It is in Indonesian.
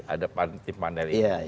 ada tim panel ini